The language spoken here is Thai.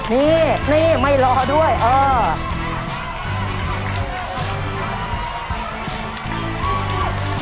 นี่นี่ไม่รอด้วยเออ